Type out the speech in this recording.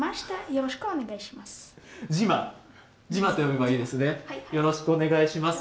よろしくお願いします。